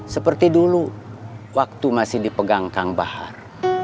seperti dulu waktu masih dipegang kang bahar